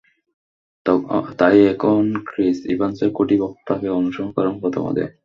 তাই এখন ক্রিস ইভানসের কোটি ভক্ত তাঁকে অনুসরণ করেন পদে পদে।